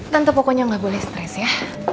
tante pokoknya gak boleh stress ya